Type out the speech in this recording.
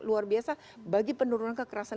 luar biasa bagi penurunan kekerasan